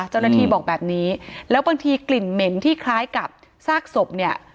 เจ้าหน้าที่บอกแบบนี้แล้วบางทีกลิ่นเหม็นที่คล้ายกับซากศพเนี่ย